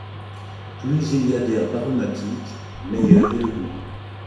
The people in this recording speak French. Plus il y a d'herbes aromatiques, meilleur est le goût.